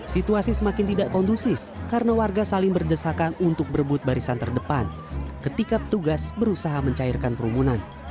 situasi semakin tidak kondusif karena warga saling berdesakan untuk berebut barisan terdepan ketika petugas berusaha mencairkan kerumunan